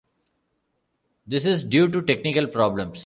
This is due to technical problems.